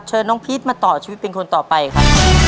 น้องพีชมาต่อชีวิตเป็นคนต่อไปครับ